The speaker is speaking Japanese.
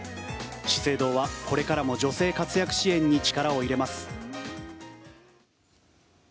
資生堂はこれからも女性活躍支援に力を入れます。